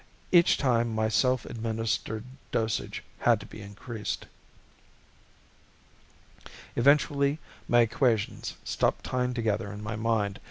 Each time my self administered dosage had to be increased. Eventually my equations stopped tying together in my mind.